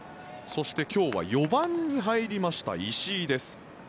そして、今日は４番に入りました石井です。